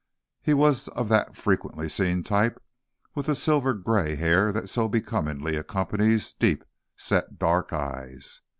He was of that frequently seen type, with the silver gray hair that so becomingly accompanies deep set dark eyes.